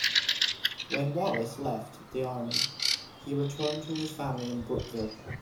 When Wallace left the army he returned to his family in Brookville.